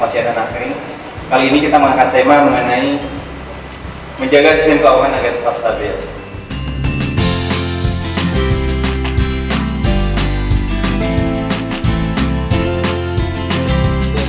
menjaga sistem keuangan agar tetap stabil